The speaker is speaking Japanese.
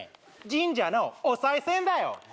神社のおさい銭だよ